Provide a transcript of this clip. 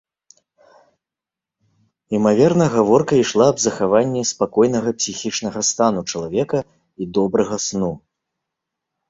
Імаверна, гаворка ішла аб захаванні спакойнага псіхічнага стану чалавека і добрага сну.